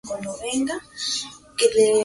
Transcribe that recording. Actualmente juega en el Mitre.